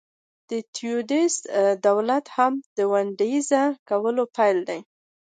تیودوروس د دولت م وډرنیزه کول پیل کړل.